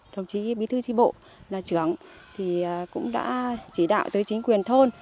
đồng chí bí thư tri bộ là trưởng thì cũng đã chỉ đạo tới chính quyền thôn